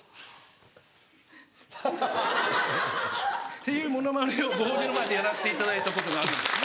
っていうモノマネをご本人の前でやらせていただいたことがあるんですね。